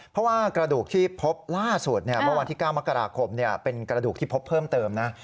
เพราะว่ากระดูกที่พบล่าสุดเมื่อวันที่๙มกราคมเป็นกระดูกที่พบเพิ่มเติมนะ